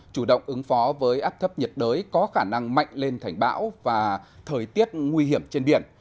chủ động ứng phó với áp thấp nhiệt đới có khả năng mạnh lên thành bão và thời tiết nguy hiểm trên biển